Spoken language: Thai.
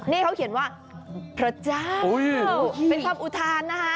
นี่เขาเขียนว่าพระเจ้าเป็นความอุทานนะคะ